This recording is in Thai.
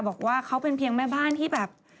บอกว่าเขาเป็นเพียงแม่บ้านที่แบบ